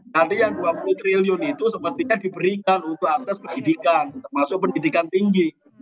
nanti yang dua puluh triliun itu semestinya diberikan untuk akses pendidikan termasuk pendidikan tinggi